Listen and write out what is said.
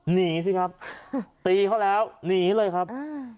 หนีสิครับตีเขาแล้วหนีเลยครับอืม